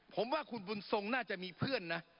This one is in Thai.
ผมว่าคุณบุญทรงน่าจะมีเพื่อนนะ